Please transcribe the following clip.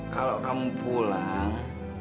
kalau kamu pulang